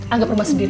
anggap rumah sendiri